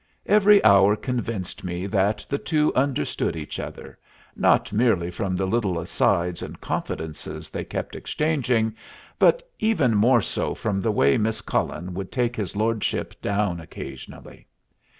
Every hour convinced me that the two understood each other, not merely from the little asides and confidences they kept exchanging, but even more so from the way Miss Cullen would take his lordship down occasionally.